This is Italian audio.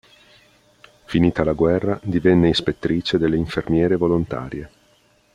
Finita la guerra divenne ispettrice delle infermiere volontarie.